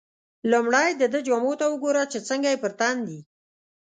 لومړی دده جامو ته وګوره چې څنګه یې پر تن دي.